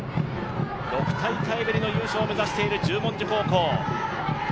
６大会ぶりの優勝を目指している十文字高校。